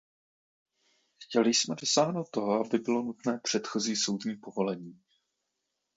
Chtěli jsme dosáhnout toho, aby bylo nutné předchozí soudní povolení.